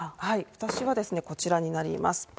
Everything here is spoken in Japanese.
私は、こちらになります。